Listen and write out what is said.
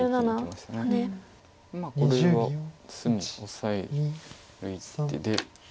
まあこれは隅オサえる一手で。